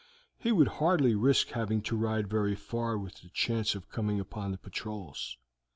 He would hardly risk having to ride very far with the chance of coming upon the patrols.